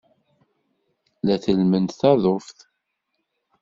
La tellment taḍuft.